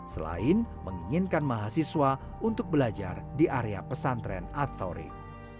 selain menginginkan mahasiswa untuk belajar di area pesantren atorik